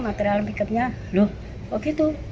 material pick up nya loh kok gitu